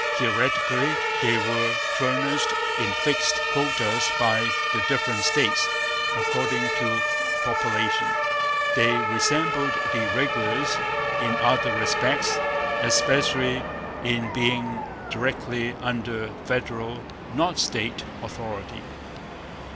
Theoretically they were furnished in fixed quotas by the different States, according to population. They resembled the regulars in other respects, especially in being directly under Federal, not State, authority.